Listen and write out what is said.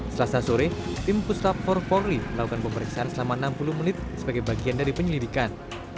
selasa sore tim pusat empat ratus empat puluh melakukan pemeriksaan selama enam puluh menit sebagai bagian dari penyelidikan